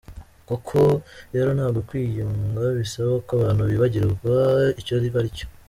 Koko rero ntabwo kwiyunga bisaba ko abantu bibagirwa icyo bari cyo.